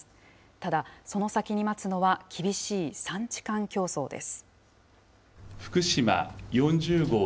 ただ、その先に待つのは厳しい産地間競争です。